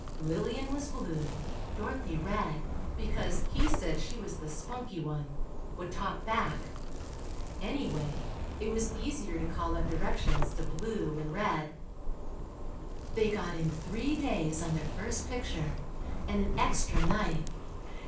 Lillian was "blue," Dorothy "red," because he said she was the spunky one ... would talk back. Anyway, it was easier to call out directions to "Blue" and "Red." They got in three days on their first picture, and an extra night.